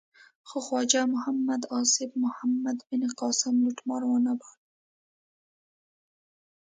خو خواجه محمد آصف محمد بن قاسم لوټمار و نه باله.